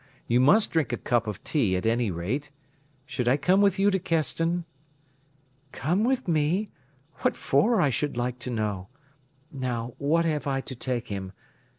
You must drink a cup of tea at any rate. Should I come with you to Keston?" "Come with me? What for, I should like to know? Now, what have I to take him?